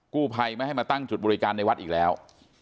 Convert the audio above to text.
กู้ภัยไม่ให้มาตั้งจุดบริการในวัดอีกแล้ว